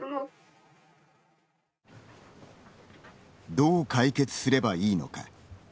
どう解決すればいいのか。